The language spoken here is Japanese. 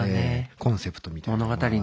コンセプトみたいなものがね。